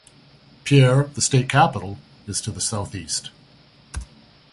Pierre, the state capital, is to the southeast.